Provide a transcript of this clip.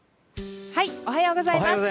おはようございます。